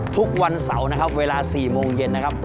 ทุกวันเสาร์นะครับเวลา๔โมงเย็นนะครับ